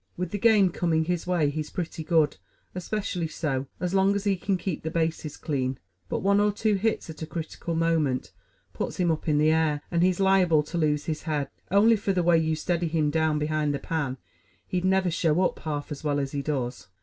With the game coming his way, he's pretty good especially so, as long as he can keep the bases clean; but one or two hits at a critical moment puts him up in the air, and he's liable to lose his head. Only for the way you steady him down behind the pan, he'd never show up half as well as he does."